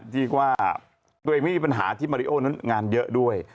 เรียกว่าตัวเองไม่มีปัญหาที่มาริโอนั้นงานเยอะด้วย